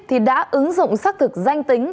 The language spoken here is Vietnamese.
thì đã ứng dụng xác thực danh tính